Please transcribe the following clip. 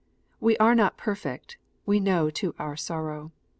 We are not perfect, we know to our sorrow.